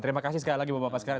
terima kasih sekali lagi bapak ibu